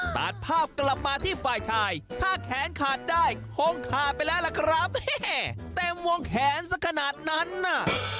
ตัดภาพกลับมาที่ฝ่ายชายถ้าแขนขาดได้คงขาดไปแล้วล่ะครับเต็มวงแขนสักขนาดนั้นน่ะ